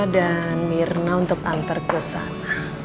dan mirna untuk anter ke sana